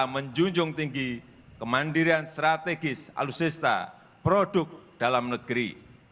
menjunjung tinggi kemandirian strategis alutsista produk dalam negeri